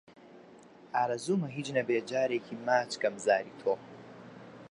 ئارەزوومە هیچ نەبێ جارێکی ماچ کەم زاری تۆ